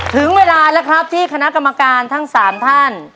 ถึงเวลาแล้วครับที่คณะกรรมการทั้ง๓ท่าน